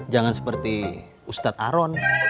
jangan seperti ustadz aron